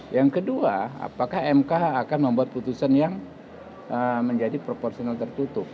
yang kedua apakah mk akan membuat putusan yang menjadi proporsional tertutup